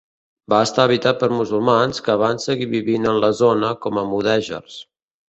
Va estar habitat per musulmans que van seguir vivint en la zona com a mudèjars.